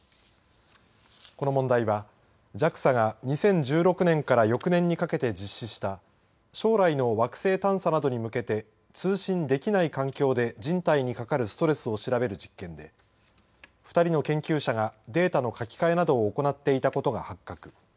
この問題はＪＡＸＡが２０１６年から翌年にかけて実施した将来の惑星探査などに向けて通信できない環境で人体にかかるストレスを調べる実験で２人の研究者がデータの書き換えなどを行っていたことが発覚。